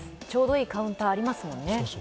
ちょうどいいカウンターありますもんね。